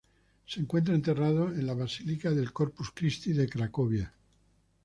Se encuentra enterrado en la Basílica del Corpus Christi de Cracovia.